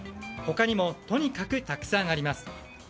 他にもとにかくたくさんあります。